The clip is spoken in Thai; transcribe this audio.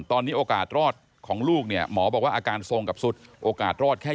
ตอนนี้โอกาสรอดของลูกเนี่ยหมอบอกว่าอาการทรงกับสุดโอกาสรอดแค่